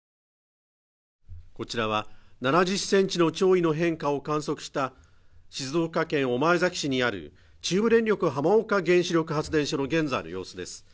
こちらは７０センチの潮位の変化を観測した静岡県御前崎市にある中部電力浜岡原子力発電所の現在の様子です